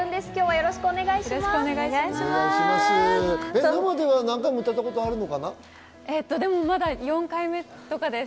よろしくお願いします。